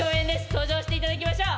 登場していただきましょう。